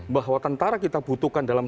bahwa tentara kita butuhkan dalam